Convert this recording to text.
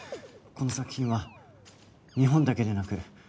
この作品は日本だけでなく